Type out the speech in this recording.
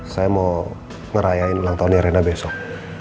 saya mau ngerayain ulang tahunnya arena besok